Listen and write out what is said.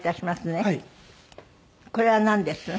これはなんです？